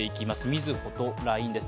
みずほとＬＩＮＥです。